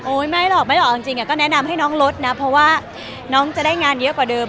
ไม่หรอกไม่หรอกจริงก็แนะนำให้น้องลดนะเพราะว่าน้องจะได้งานเยอะกว่าเดิม